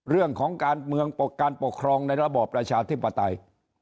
เรื่องของการปกครองในระบบประชาธิปไตย